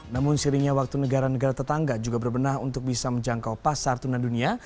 namun siringnya waktu negara negara tetangga juga berbenah untuk bisa menjangkau pasar tuna dunia